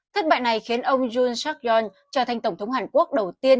thất bại này khiến ông yoon seok yoon trở thành tổng thống hàn quốc đầu tiên